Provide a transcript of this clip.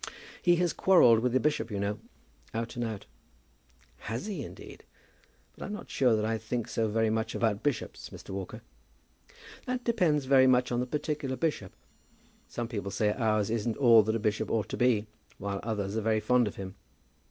"He has quarrelled with the bishop, you know, out and out." "Has he, indeed? But I'm not sure that I think so very much about bishops, Mr. Walker." "That depends very much on the particular bishop. Some people say ours isn't all that a bishop ought to be, while others are very fond of him."